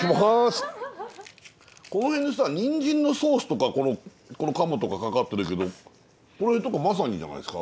この辺さニンジンのソースとかこの鴨とかかかってるけどこれとかまさにじゃないですか？